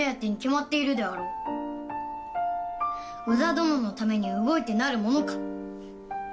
どのために動いてなるものか。